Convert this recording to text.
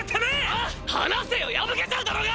ハ⁉離せよ破けちゃうだろうが！